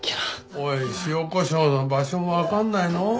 おい塩コショウの場所もわかんないの？